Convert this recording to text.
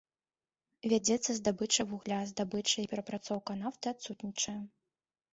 Вядзецца здабыча вугля, здабыча і перапрацоўка нафты адсутнічае.